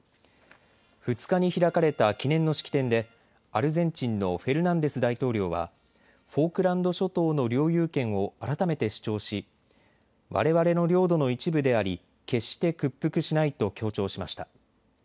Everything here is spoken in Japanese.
２日に開かれた記念の式典でアルゼンチンのフェルナンデス大統領は、フォークランド諸島の領有権を改めて主張しわれわれの領土の一部であり決して屈服しないと強調しました。